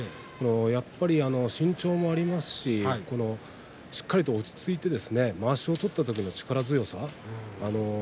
やっぱり身長もありますししっかりと落ち着いてまわしを取った時の力強さ